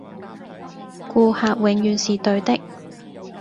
顧客永遠是對的